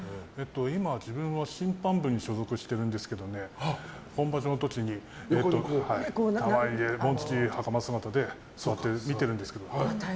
今、自分は審判部に所属してるんですけど本場所の時に周りで紋付きはかま姿で見てるんですけど。